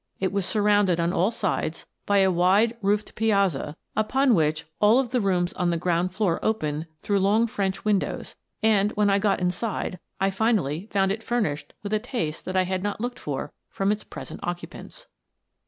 It was surrounded on all sides by a wide, roofed piazza upon which all 17 1 8 Miss Frances Baird, Detective the rooms on the ground floor opened through long French windows, and, when I got inside, I finally found it furnished with a taste that I had not looked for from its present occupants.